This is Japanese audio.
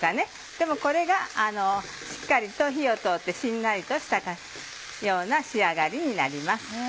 でもこれがしっかりと火を通ってしんなりとしたような仕上がりになります。